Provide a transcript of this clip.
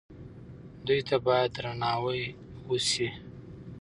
دوی ته باید درناوی وشي.